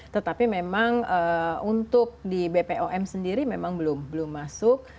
tetapi memang untuk di bpom sendiri memang belum masuk